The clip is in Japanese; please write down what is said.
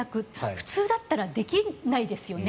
普通だったらできないですよね。